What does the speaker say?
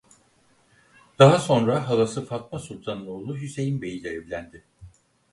Daha sonra halası Fatma Sultan'ın oğlu Hüseyin Bey ile evlendi.